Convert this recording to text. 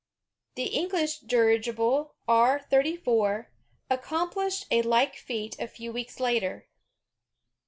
The English dirigible R 34 accomplished a like feat a few weeks later.